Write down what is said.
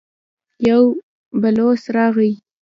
يو بلوڅ راغی.